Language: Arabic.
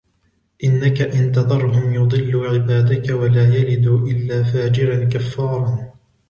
إنك إن تذرهم يضلوا عبادك ولا يلدوا إلا فاجرا كفارا